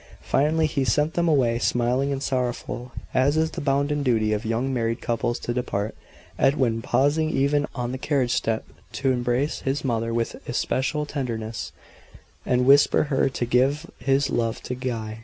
Finally, he sent them away, smiling and sorrowful as is the bounden duty of young married couples to depart Edwin pausing even on the carriage step to embrace his mother with especial tenderness, and whisper her to "give his love to Guy."